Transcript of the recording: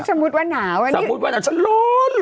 สมมติว่าหนาวสมมติว่าหนาวจะร้อนหรอ